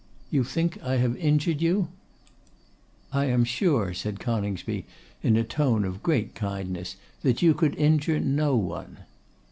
You think I have injured you?' 'I am sure,' said Coningsby, in a tone of great kindness, 'that you could injure no one.